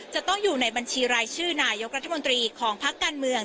จะต้องอยู่ในบัญชีรายชื่อนายกรัฐมนตรีของพักการเมือง